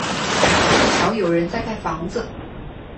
正巧有人在盖房子